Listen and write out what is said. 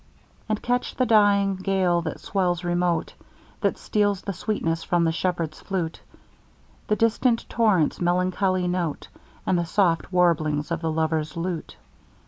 And catch the dying gale that swells remote, That steals the sweetness from the shepherd's flute: The distant torrent's melancholy note And the soft warblings of the lover's lute.